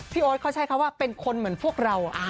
โอ๊ตเขาใช้คำว่าเป็นคนเหมือนพวกเรา